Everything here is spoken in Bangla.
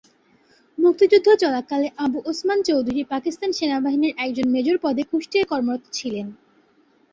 মুক্তিযুদ্ধ চলাকালে আবু ওসমান চৌধুরী পাকিস্তান সেনাবাহিনীর একজন মেজর পদে কুষ্টিয়ায় কর্মরত ছিলেন।